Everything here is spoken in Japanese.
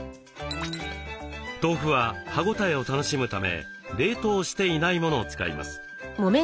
豆腐は歯応えを楽しむため冷凍していないものを使います。